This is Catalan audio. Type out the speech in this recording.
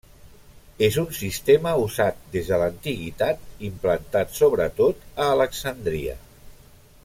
És un sistema usat des de l'antiguitat, implantat sobretot a Alexandria.